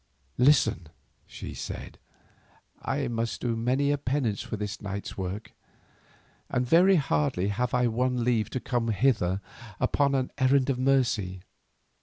"Listen," she said. "I must do many a penance for this night's work, and very hardly have I won leave to come hither upon an errand of mercy.